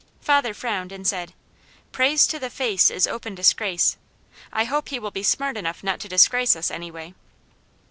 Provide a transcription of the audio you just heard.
Father frowned and said: "Praise to the face is open disgrace. I hope he will be smart enough not to disgrace us, anyway."